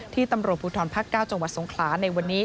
ที่ตำรวจภูทรภักดิ์๙จังหวัดทรงคลาในวันนี้